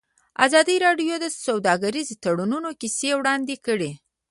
ازادي راډیو د سوداګریز تړونونه کیسې وړاندې کړي.